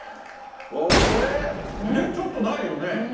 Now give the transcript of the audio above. ちょっとないよね。